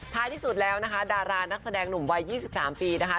ที่สุดแล้วนะคะดารานักแสดงหนุ่มวัย๒๓ปีนะคะ